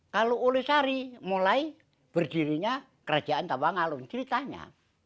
kalau oleh sari mulai berdirinya kerajaan tawangalung ceritanya